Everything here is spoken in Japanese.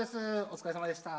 お疲れさまでした。